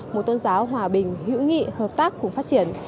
một tôn giáo hòa bình hữu nghị hợp tác cùng phát triển